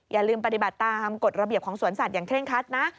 อย่าลืมปฏิบัติตามกฎระเบียบของสวนสัตว์อย่างเร่งคัดนะ